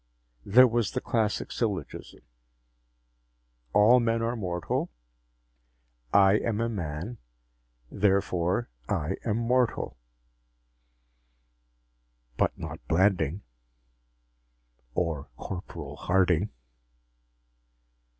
There was the classic syllogism: All men are mortal; I am a man; therefore, I am mortal. But not Blanding or Corporal Harding.